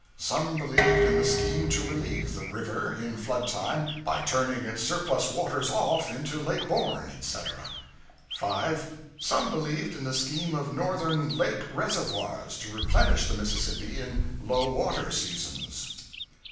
Some believed in the scheme to relieve the river, in flood time, by turning its surplus waters off into Lake Borgne, etc. 5. Some believed in the scheme of northern lake reservoirs to replenish the Mississippi in low water seasons.